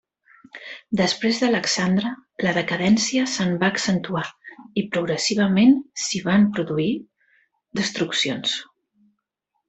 Després d'Alexandre, la decadència se'n va accentuar i progressivament s'hi van produir destruccions.